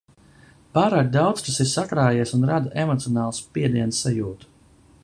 Pārāk daudz kas ir sakrājies un rada emocionālu spiediena sajūtu.